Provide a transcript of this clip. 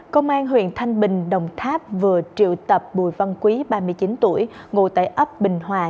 công an huyện thanh bình đồng tháp vừa triệu tập bùi văn quý ba mươi chín tuổi ngụ tại ấp bình hòa